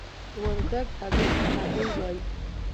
وردګ هګۍ ته آګۍ وايي.